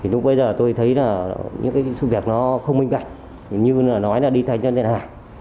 lúc bây giờ tôi thấy là những sự việc nó không minh cảnh như là nói là đi thay cho tiền hàng